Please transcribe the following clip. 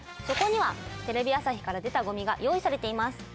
そこにはテレビ朝日から出たゴミが用意されています。